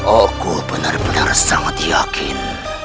aku benar benar sangat yakin